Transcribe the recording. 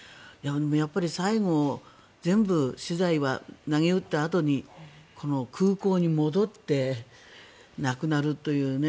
やっぱり最後全部、私財はなげうったあとにこの空港に戻って亡くなるというね。